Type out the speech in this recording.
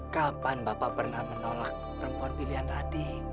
kapan bapak pernah menolak perempuan pilihan adik